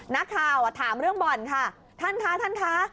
นักข่าวถามเรื่องบ่อนค่ะท่านคะท่านคะ